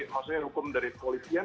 maksudnya hukum dari kepolisian